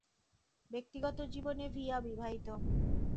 ব্যক্তিগত জীবনে ভিয়া বিবাহিত।